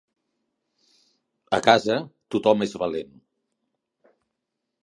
A casa tothom és valent